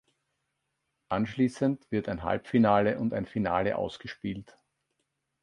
Anschließend wird ein Halbfinale und ein Finale ausgespielt.